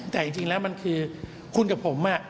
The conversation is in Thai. แต่จริงแล้วมันคือคุณกับผม